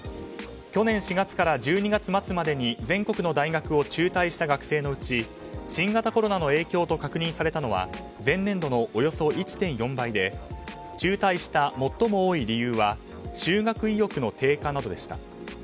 去年４月から１２月末までに全国の大学を中退した学生のうち新型コロナの影響と確認されたのは前年度のおよそ１．４倍で中退した最も多い理由は修学意欲の低下などでした。